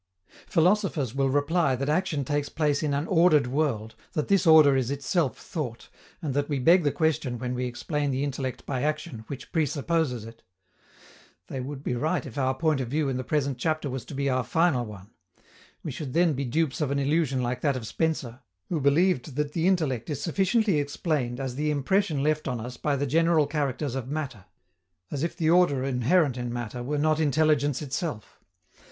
Philosophers will reply that action takes place in an ordered world, that this order is itself thought, and that we beg the question when we explain the intellect by action, which presupposes it. They would be right if our point of view in the present chapter was to be our final one. We should then be dupes of an illusion like that of Spencer, who believed that the intellect is sufficiently explained as the impression left on us by the general characters of matter: as if the order inherent in matter were not intelligence itself!